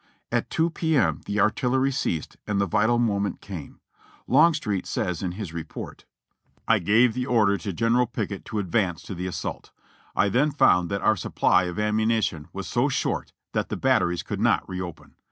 At 2 P. M. the artillery ceased and the vital moment had come. Longstreet says in his report : 4IO JOHNNY REB AND BllvLY YANK •*I gave the order to General Pickett to advance to the assault; I then found that our supply of ammunition was so short that the batteries could not reopen.